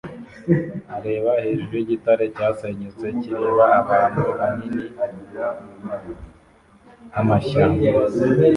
areba hejuru yigitare cyasenyutse kireba ahantu hanini h’amashyamba